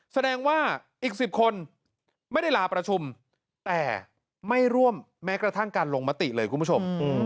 แสดงว่าอีก๑๐คนไม่ได้ลาประชุมแต่ไม่ร่วมแม้กระทั่งการลงมติเลยคุณผู้ชม